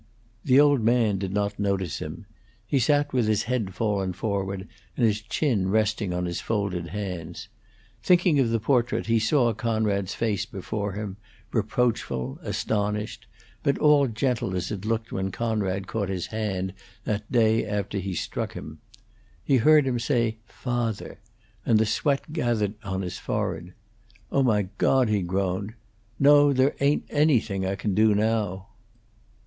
The old man did not notice him. He sat with his head fallen forward, and his chin resting on his folded hands. Thinking of the portrait, he saw Conrad's face before him, reproachful, astonished, but all gentle as it looked when Conrad caught his hand that day after he struck him; he heard him say, "Father!" and the sweat gathered on his forehead. "Oh, my God!" he groaned. "No; there ain't anything I can do now."